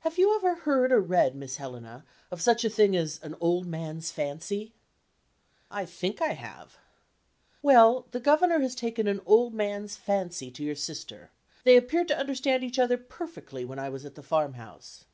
"Have you ever heard or read, Miss Helena, of such a thing as 'an old man's fancy'?" "I think I have." "Well, the Governor has taken an old man's fancy to your sister. They appeared to understand each other perfectly when I was at the farmhouse."